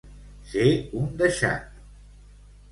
Ser un deixat.